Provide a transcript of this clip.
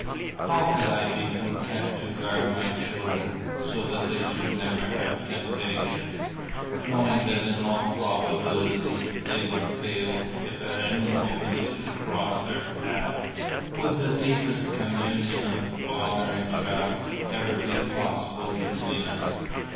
How could I be content to guard my children so that they should never have temptation, knowing that in all probability they would fail if at any moment it should cross their path? Would the deepest communion of father and child ever be possible between us?